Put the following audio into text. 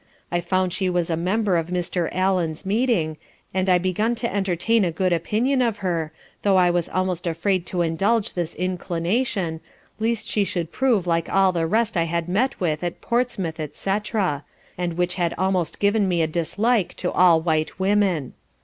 I found she was a member of Mr. Allen's Meeting, and I begun to entertain a good opinion of her, though I was almost afraid to indulge this inclination, least she should prove like all the rest I had met with at Portsmouth, &c. and which had almost given me a dislike to all white women.